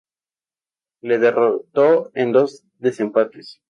Le derrotó en dos desempates.